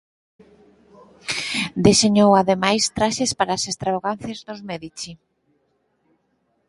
Deseñou ademais traxes para as extravagancias dos Médici.